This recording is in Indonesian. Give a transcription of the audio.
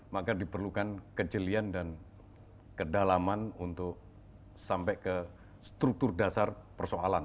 maka diperlukan kejelian dan kedalaman untuk sampai ke struktur dasar persoalan